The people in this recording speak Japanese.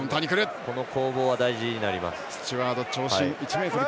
この攻防は大事になります。